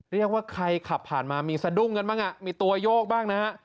เรียกว่าใครขับผ่านมามีสะดุ้งกันบ้างมีตัวโยกบ้างนะฮะ